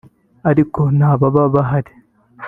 ariko nta baba bahari